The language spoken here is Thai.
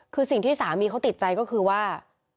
คือสิ่งที่สามีเขาติดใจก็คือว่า